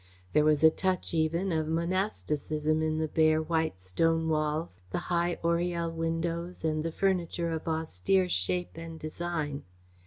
There was a touch even of monasticism in the bare, white stone walls, the high oriel windows and the furniture of austere shape and design.